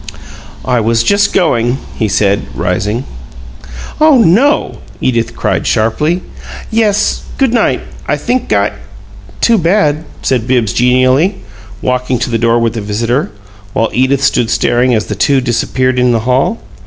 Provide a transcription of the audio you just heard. "I was just going," he said, rising. "Oh NO!" Edith cried, sharply. "Yes. Good night! I think I " "Too bad," said Bibbs, genially, walking to the door with the visitor, while Edith stood staring as the two disappeared in the hall.